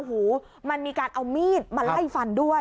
โอ้โหมันมีการเอามีดมาไล่ฟันด้วย